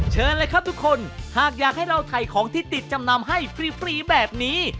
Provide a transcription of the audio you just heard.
เชิญเลยครับทุกคนหากอยากให้เราถ่ายของที่ติดจำนำให้ฟรีแบบนี้